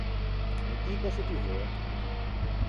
E ti cöse ti veu?